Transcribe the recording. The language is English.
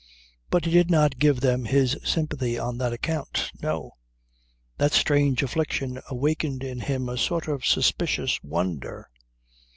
But he did not give them his sympathy on that account. No. That strange affliction awakened in him a sort of suspicious wonder.